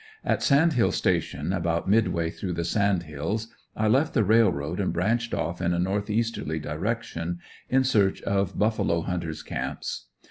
At Sand Hill Station, about midway through the sand hills, I left the railroad and branched off in a north easterly direction in search of buffalo hunter's camps.